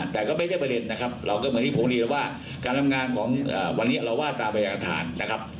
แต่ก็ไม่ใช่ประเด็นนะครับเราก็เมื่อนี้โพงดีแล้วว่าการทำงานของวันนี้เราว่าตามบริษัทธารณ์นะครับ